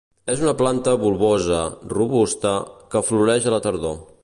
És una planta bulbosa, robusta, que floreix a la tardor.